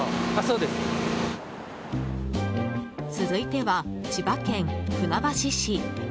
続いては千葉県船橋市。